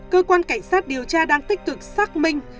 cơ quan cảnh sát điều tra đang tích cực xác minh